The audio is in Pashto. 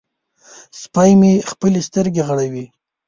سپی مې خپلې سترګې غړوي.